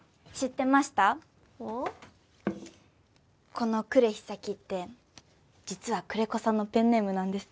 この「呉ひさき」って実は久連木さんのペンネームなんです。